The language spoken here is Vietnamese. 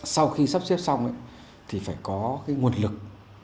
sau khi sắp xếp xong thì phải có cái nguồn lực